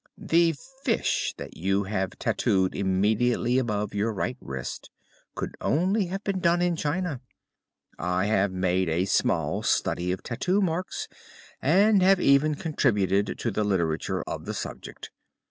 "The fish that you have tattooed immediately above your right wrist could only have been done in China. I have made a small study of tattoo marks and have even contributed to the literature of the subject.